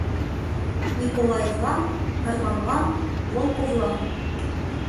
Николаевлан, Арбанлан, Волковлан